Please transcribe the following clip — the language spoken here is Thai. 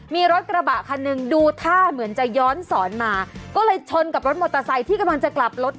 มีรถกระบะคันหนึ่งดูท่าเหมือนจะย้อนสอนมาก็เลยชนกับรถมอเตอร์ไซค์ที่กำลังจะกลับรถ